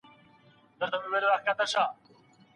مثبت خلګ مو د ژوند په سفر کي ملګري کړئ.